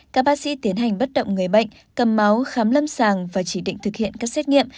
các bác sĩ tiến hành bất động người bệnh cầm máu khám lâm sàng và chỉ định thực hiện các xét nghiệm